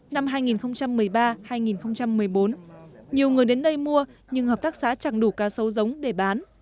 năm hai nghìn một mươi ba hai nghìn một mươi bốn nhiều người đến đây mua nhưng hợp tác xã chẳng đủ cá sấu giống để bán